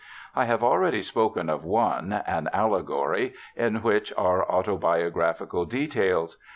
I have already spoken of one. An Allegory, in which are autobiographical details.